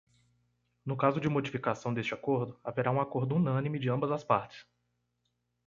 No caso de modificação deste acordo, haverá um acordo unânime de ambas as partes.